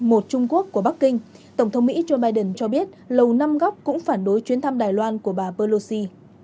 một trung quốc của bắc kinh tổng thống mỹ joe biden cho biết lầu năm góc cũng phản đối chuyến thăm đài loan của bà pelosi